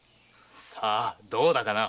さあどうだかな？